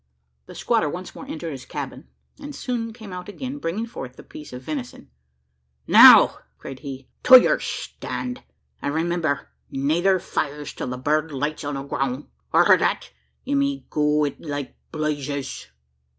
The squatter once more entered his cabin, and soon came out again, bringing forth the piece of venison. "Now!" cried he, "to yur stand! an' remember! neyther fires till a bird lights on the grown! Arter that, ye may go it like blazes!"